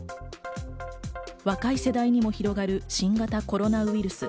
若い世代にも広がる新型コロナウイルス。